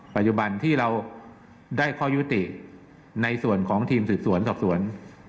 ปัจจุบันที่เราได้ข้อยุติในส่วนของทีมสืบสวนสอบสวน